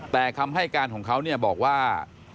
แต่คำให้การของเขาบอกว่า